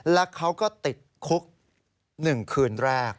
และเขาก็ติดคุก๑คืนแรก